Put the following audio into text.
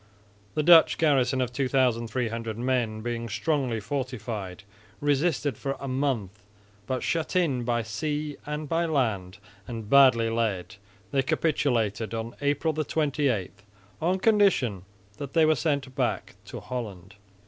The Dutch garrison of 2300 men, being strongly fortified, resisted for a month but, shut in by sea and by land and badly led, they capitulated on April 28, on condition that they were sent back to Holland.